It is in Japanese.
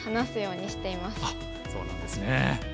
そうなんですね。